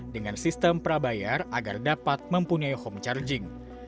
dengan sistem prabayar agar dapat mempunyai home charging